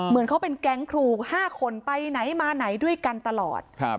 เหมือนเขาเป็นแก๊งครู๕คนไปไหนมาไหนด้วยกันตลอด